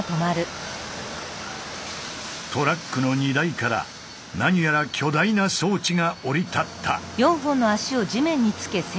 トラックの荷台から何やら巨大な装置が降り立った。